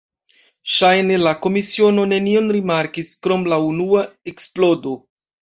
Ŝajne la komisiono nenion rimarkis, krom la unua eksplodo.